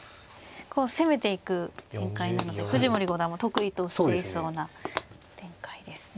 こう攻めていく展開なので藤森五段も得意としていそうな展開ですね。